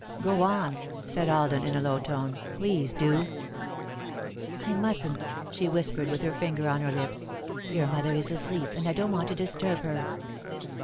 "Go on," said Alden, in a low tone. "Please do." "I mustn't," she whispered, with her finger on her lips. "Your mother is asleep and I don't want to disturb her."